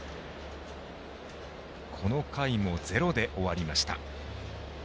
この回もゼロで終わりました。